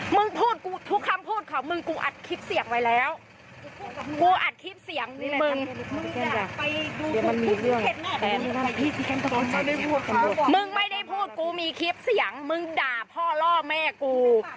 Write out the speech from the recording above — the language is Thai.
มึงไม่ได้พูดกูมีคลิปเสียงมึงด่าพ่อล่อแม่กู